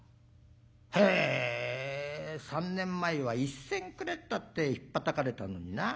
「へえ３年前は１銭くれったってひっぱたかれたのにな。